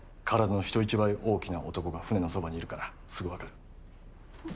体の人一倍大きな男が船のそばにいるからすぐ分かる。